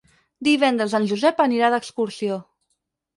Divendres en Josep anirà d'excursió.